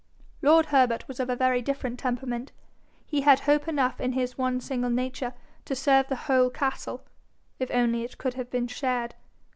Lord Herbert was of a very different temperament. He had hope enough in his one single nature to serve the whole castle, if only it could have been shared.